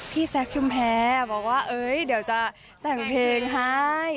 แซคชุมแพรบอกว่าเดี๋ยวจะแต่งเพลงให้